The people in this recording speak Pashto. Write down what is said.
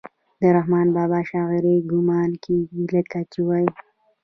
د رحمان بابا د شاعرۍ ګمان کيږي لکه چې وائي: